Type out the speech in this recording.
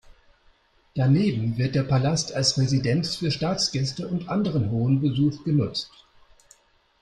Daneben wird der Palast als Residenz für Staatsgäste und anderen hohen Besuch genutzt.